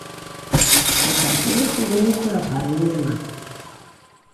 Пацярпелых у выніку аварыі няма.